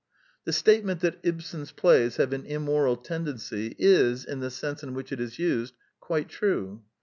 The statement that Ibsen's plays have an im moral tendency, is, in the sense in which it is used, quite true.